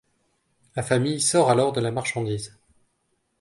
La famille sort alors de la marchandise.